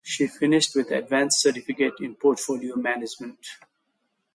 She finished with the Advanced Certificate in Portfolio Management.